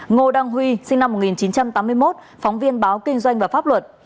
ngô đăng huy sinh năm một nghìn chín trăm tám mươi một phóng viên báo kinh doanh và pháp luật